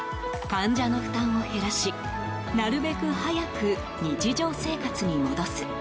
患者の負担を減らしなるべく早く日常生活に戻す。